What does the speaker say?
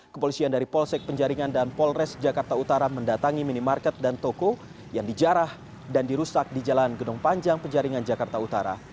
kepolisian dari polsek penjaringan dan polres jakarta utara mendatangi minimarket dan toko yang dijarah dan dirusak di jalan gedung panjang penjaringan jakarta utara